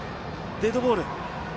デッドボール。